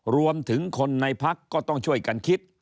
รวมถึงคนในพักก็ต้องช่วยกันคิด